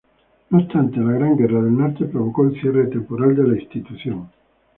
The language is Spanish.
No obstante, la Gran Guerra del Norte provocó el cierre temporal de la institución.